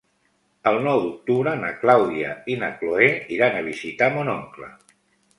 El nou d'octubre na Clàudia i na Cloè iran a visitar mon oncle.